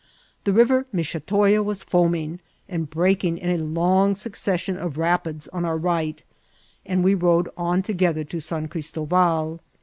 The River Michetoya was foaming and breaking in a long succession of rapids on our right, and we rode on together to San Cristoval.